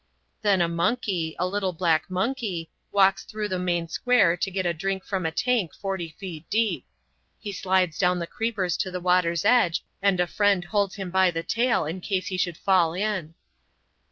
Then a monkey—a little black monkey—walks through the main square to get a drink from a tank forty feet deep. He slides down the creepers to the water's edge, and a friend holds him by the tail, in case he should fall in."